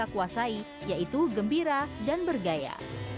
mereka kuasai yaitu gembira dan bergaya